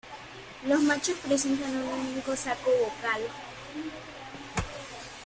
Los machos presentan un único saco vocal.